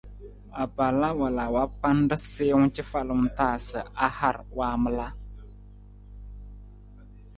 Apaala wala wa panda siiwung cafalung ta sa a har waamala.